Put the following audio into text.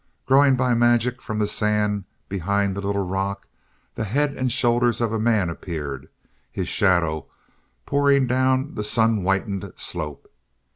Growing by magic from the sand behind the little rock the head and shoulders of a man appeared, his shadow pouring down the sun whitened slope.